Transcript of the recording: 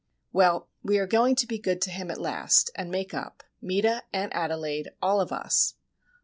Well, we are going to be good to him, at last, and make up,—Meta, Aunt Adelaide, all of us.